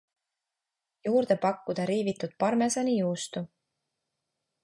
Juurde pakkuda riivitud parmesani juustu.